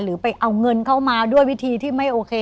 ไปเอาเงินเข้ามาด้วยวิธีที่ไม่โอเค